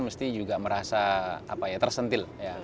mesti juga merasa tersentil